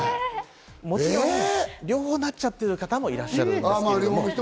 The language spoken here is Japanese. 両方なっちゃってる方もいらっしゃるんですけどね。